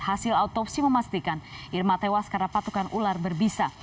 hasil autopsi memastikan irma tewas karena patukan ular berbisa